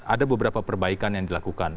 ada beberapa perbaikan yang dilakukan